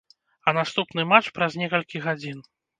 А наступны матч праз некалькі гадзін!